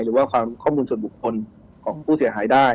หรือว่าความข้อมูลส่วนบุคคลของผู้เสียหายได้